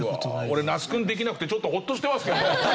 俺那須君できなくてちょっとホッとしてますけど。